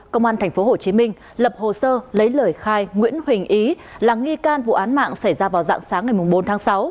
công an tp hcm lập hồ sơ lấy lời khai nguyễn huỳnh ý là nghi can vụ án mạng xảy ra vào dạng sáng ngày bốn tháng sáu